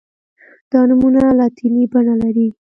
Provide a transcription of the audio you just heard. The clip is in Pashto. دا نومونه لاتیني بڼه لري.